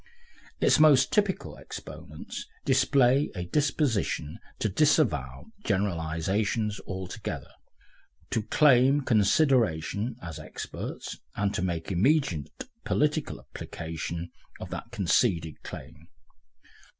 Its most typical exponents display a disposition to disavow generalisations altogether, to claim consideration as "experts," and to make immediate political application of that conceded claim.